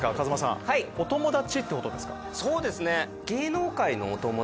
そうですね。